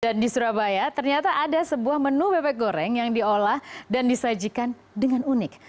dan di surabaya ternyata ada sebuah menu bebek goreng yang diolah dan disajikan dengan unik